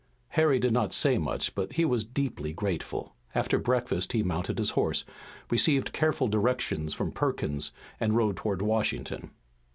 Harry did not say much, but he was deeply grateful. After breakfast he mounted his horse, received careful directions from Perkins and rode toward Washington.